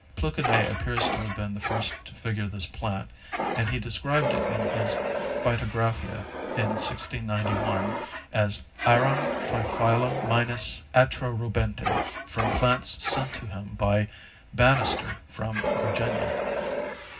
Plukenet appears to have been the first to figure this plant and he described it in his Phytographia in 1691 as "Arum triphyllum minus atrorubente" from plants sent to him by Ban nister from Virginia.